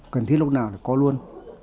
cần thiết lúc nào là có luôn